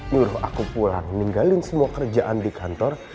nyuruh aku pulang ninggalin semua kerjaan di kantor